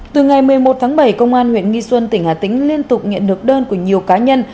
từ ngày một mươi một tháng bảy công an huyện nghi xuân tỉnh hà tĩnh liên tục nhận được đơn của nhiều cá nhân